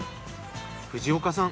藤岡さん